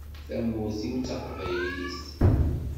Tamurt-iw d taqbaylit.